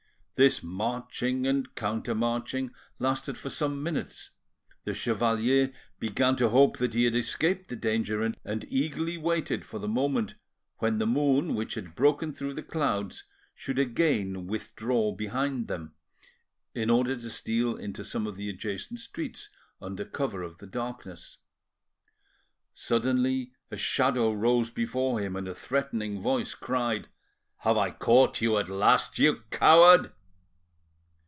This marching and counter marching lasted for some minutes; the chevalier began to hope he had escaped the danger, and eagerly waited for the moment when the moon which had broken through the clouds should again withdraw behind them, in order to steal into some of the adjacent streets under cover of the darkness. Suddenly a shadow rose before him and a threatening voice cried— "Have I caught you at last, you coward?"